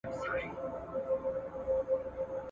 دزمريو آوازونه ,